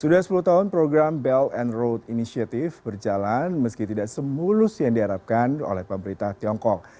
sudah sepuluh tahun program belt and road initiative berjalan meski tidak semulus yang diharapkan oleh pemerintah tiongkok